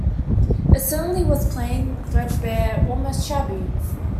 It certainly was plain — threadbare — almost shabby.